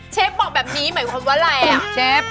บอกแบบนี้หมายความว่าอะไรอ่ะเชฟ